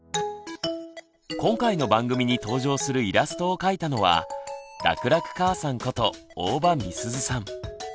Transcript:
今回の番組に登場するイラストを描いたのは「楽々かあさん」こと大場美鈴さん。